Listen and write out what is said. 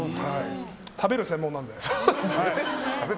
食べる専門なんで。